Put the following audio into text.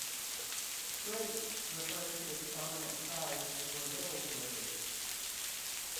"Great" refers to its dominant size over Little Wyrley.